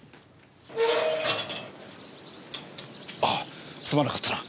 あぁすまなかったな。